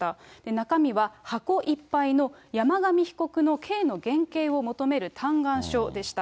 中身は箱いっぱいの山上被告の刑の減軽を求める嘆願書でした。